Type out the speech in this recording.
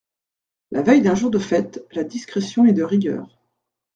La veille d’un jour de fête, la discrétion est de rigueur.